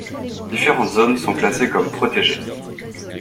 Différentes zones sont classées comme protégées.